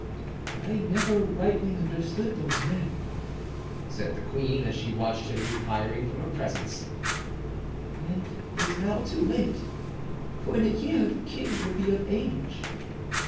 "I never rightly understood those men," said the queen, as she watched him retiring from her presence; "and it is now too late, for in a year the king will be of age."